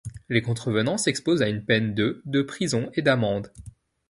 Les contrevenants s'exposent à une peine de de prison et d'amende.